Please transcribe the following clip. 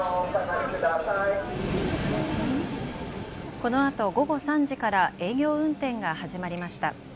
このあと午後３時から営業運転が始まりました。